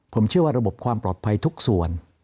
ผมเชื่อว่าระบบความปลอดภัยทุกส่วน